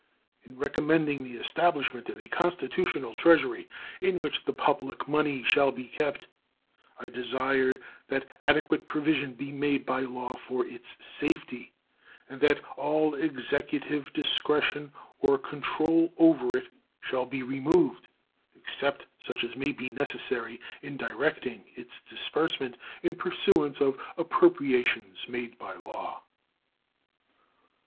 In recommending the establishment of a constitutional treasury in which the public money shall be kept, I desire that adequate provision be made by law for its safety and that all Executive discretion or control over it shall be removed, except such as may be necessary in directing its disbursement in pursuance of appropriations made by law.